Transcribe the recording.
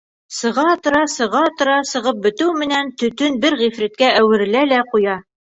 Сыға тора, сыға тора, сығып бөтөү менән, төтөн бер ғифриткә әүерелә лә ҡуя.